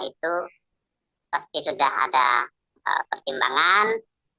itu pasti sudah ada pertimbangan